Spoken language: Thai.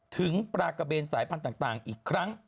ถึงปลากระเบนสายพันธุ์ต่างอีกครั้ง